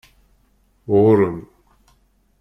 Ɣur-m!